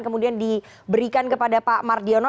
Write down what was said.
kemudian diberikan kepada pak mardiono